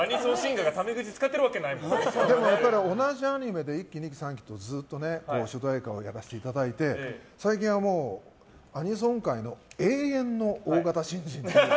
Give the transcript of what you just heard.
でもやっぱり同じアニメで１期２期とずっと主題歌をやらせていただいて最近はアニソン界の永遠の大型新人と。